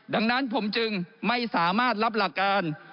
ดังนั้นผมจึงไม่สามารถรับหลักการ